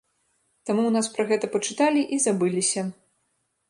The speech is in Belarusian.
Таму ў нас пра гэта пачыталі і забыліся.